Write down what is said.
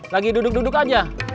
lagi duduk duduk aja